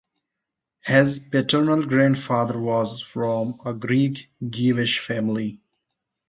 His paternal grandfather was from a Greek Jewish family.